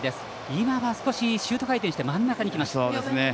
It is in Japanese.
今のは少しシュート回転して真ん中に来ました。